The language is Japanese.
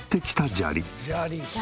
「砂利？」